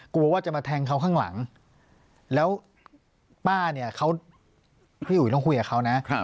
กลัวว่าจะมาแทงเขาข้างหลังแล้วป้าเนี่ยเขาพี่อุ๋ยต้องคุยกับเขานะ